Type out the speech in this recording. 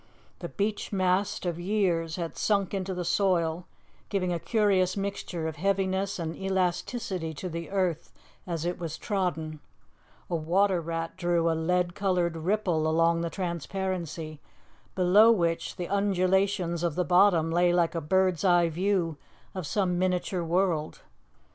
The beech mast of years had sunk into the soil, giving a curious mixture of heaviness and elasticity to the earth as it was trodden; a water rat drew a lead coloured ripple along the transparency, below which the undulations of the bottom lay like a bird's eye view of some miniature world.